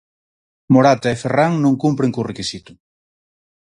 Morata e Ferrán non cumpren co requisito.